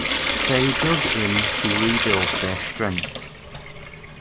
They dug in to rebuild their strength.